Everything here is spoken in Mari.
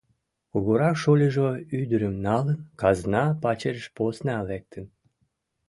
Кугурак шольыжо ӱдырым налын, казна пачерыш посна лектын.